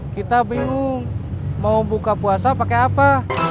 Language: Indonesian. kita bingung mau buka puasa pakai apa